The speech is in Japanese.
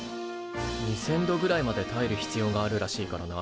２，０００度ぐらいまでたえる必要があるらしいからな。